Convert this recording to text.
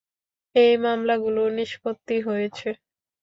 এই মামলাগুলোর নিষ্পত্তি হয়েছে।